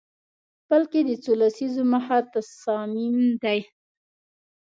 بلکه د څو لسیزو مخه تصامیم دي